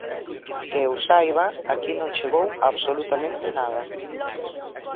Que eu saiba, aquí non chegou absolutamente nada.